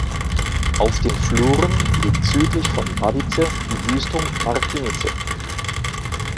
Auf den Fluren liegt südlich von Babice die Wüstung Martinice.